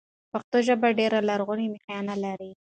پښتو ژبه ډېره لرغونې مخینه لري.